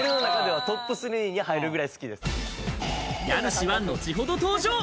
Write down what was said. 家主は後ほど登場。